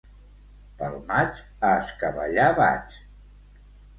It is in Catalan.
Pel maig, a escabellar vaig.